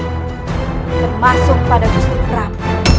termasuk pada justru keram